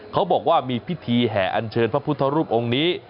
เขาบอกว่ามีพิธีแห่อันเชิญพระพุทธรูปองค์นี้